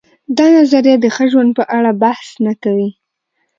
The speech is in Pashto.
دا نظریه د ښه ژوند په اړه بحث نه کوي.